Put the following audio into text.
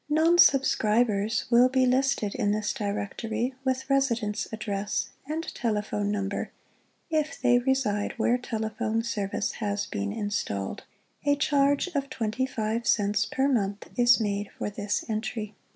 Non subscribers will be listed in this Directory with residence ad dress and telephone number if they reside where telephone service has been installed. A charge of twenty five cents per month is made for this entry.